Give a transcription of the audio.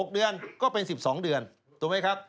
๖เดือนก็เป็น๑๒เดือนถูกไหมครับ